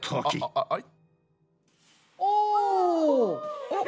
お。